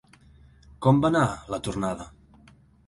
Com va anar la tornada?